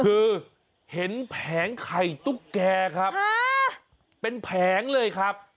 คือเห็นแผงไข่ตุ๊กแกครับเป็นแผงเลยครับ